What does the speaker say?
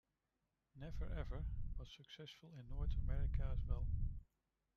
"Never Ever" was successful in North America as well.